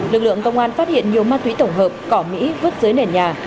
lực lượng công an phát hiện nhiều ma túy tổng hợp cỏ mỹ vứt dưới nền nhà